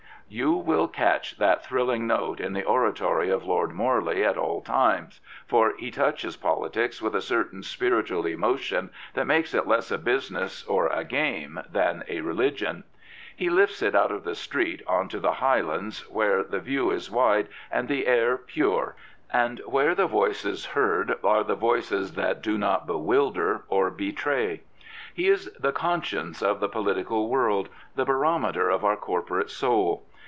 You will catch that thrilling note in the oratory of Lord Morley at all times, for he touches politics with a certain spiritual emotion that makes it less a busi ness or a game than a religion. He lifts it out of the street on to the high lands where the view is wide and the air pure and where the voices heard are the voices that do not bewilder or betray. He is the conscience^ of the political world — the barometer of our corporate soul.